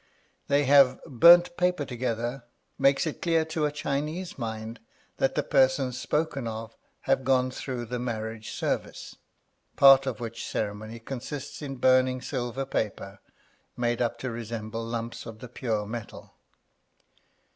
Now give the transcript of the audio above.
They have burnt paper together, makes it clear to a Chinese mind that the persons spoken of have gone through the marriage service, part of which ceremony consists in burning silver paper, made up to resemble lumps of the pure metal.